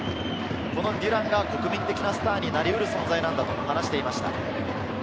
デュランが国民的なスターになり得る存在なんだと話していました。